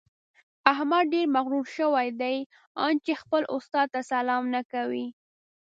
احمد ډېر مغروره شوی دی؛ ان چې خپل استاد ته سلام نه کوي.